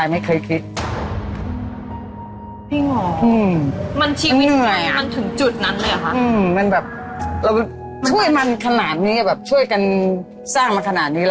มีปัญหาครอบครัวมีไม้ที่๓อะไรอย่างนี้